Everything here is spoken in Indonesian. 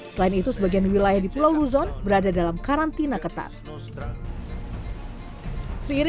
selain itu sebagian wilayah di pulau luzon berada dalam karantina ketat